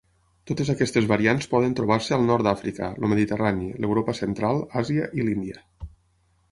Totes aquestes variants poden trobar-se al Nord d'Àfrica, el Mediterrani, l'Europa Central, Àsia i l'Índia.